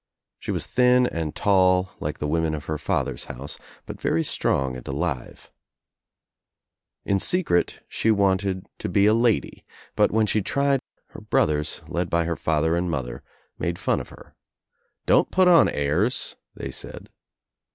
She was thin and tall like the women of her father's house but very strong and alive, In secret she wanted to be a lady but when she tried her brothers, led by her father and mother, made fun of her. "Don't put on airs," they said.